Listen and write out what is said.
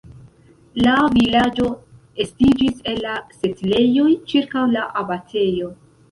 La vilaĝo estiĝis el la setlejoj ĉirkaŭ la abatejo.